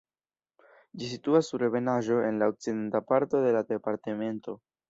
Ĝi situas sur ebenaĵo en la okcidenta parto de la departemento.